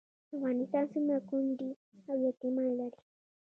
افغانستان څومره کونډې او یتیمان لري؟